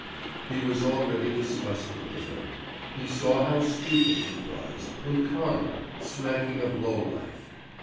He was already disgusted with her; he saw how stupid she was, and common, smacking of low life.